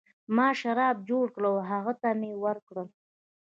ما شراب جوړ کړل او هغه ته مې ورکړل.